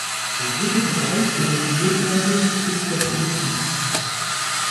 Der dritte Bereich, der reformiert werden muss, ist der Produktmarkt.